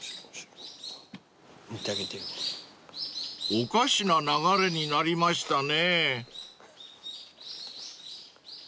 ［おかしな流れになりましたね］